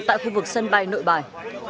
tại khu vực sân bay nội bài